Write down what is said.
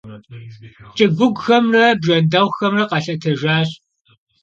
Ç'ıguuguxemre bjjendexhuxemre khelhetejjaş.